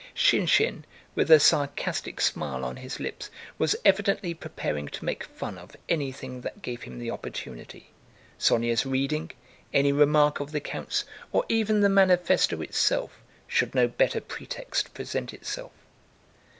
Shinshín, with a sarcastic smile on his lips, was evidently preparing to make fun of anything that gave him the opportunity: Sónya's reading, any remark of the count's, or even the manifesto itself should no better pretext present itself.